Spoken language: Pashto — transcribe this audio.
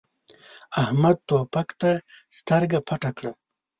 احمد توپک ته سترګه پټه کړه.